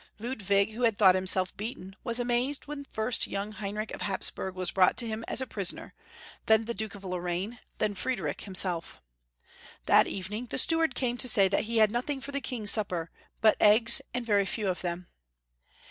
Ludwig, who had thought himself beaten, was amazed when Ludwiff v. 218 first young Heinrich of Hapsburg was brought to him as a prisoner, then the Duke of Lorraine, then Friedrich himself. That evening the steward came to say that he had nothing for the King's supper but eggs, and very few of them.